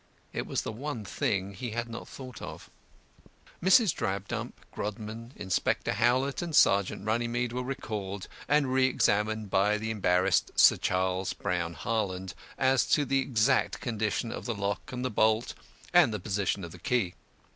It was the one thing he had not thought of. Mrs. Drabdump, Grodman, Inspector Howlett, and Sergeant Runnymede were recalled and reëxammed by the embarrassed Sir Charles Brown Harland as to the exact condition of the lock and the bolt and the position of the key.